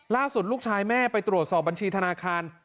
ล่าสุดลูกชายแม่ไปตรวจสอบบัญชีธนาคาร